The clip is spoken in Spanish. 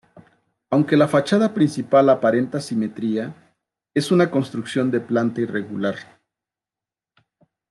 Aunque la fachada principal aparenta simetría, es una construcción de planta irregular.